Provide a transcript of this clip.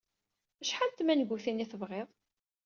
Acḥal n tmangutin ay tebɣiḍ?